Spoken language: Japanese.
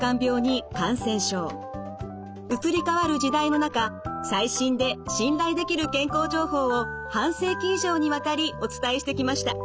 移り変わる時代の中最新で信頼できる健康情報を半世紀以上にわたりお伝えしてきました。